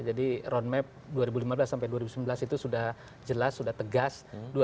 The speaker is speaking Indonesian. jadi roadmap dua ribu lima belas sampai dua ribu sembilan belas itu sudah jelas sudah tegas